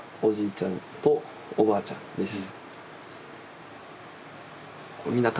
ちゃんとおばあちゃんです。